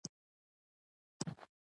زاهده په خلوت کې دي سوالونه رښتیا نه دي.